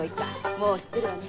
もう知ってるわね。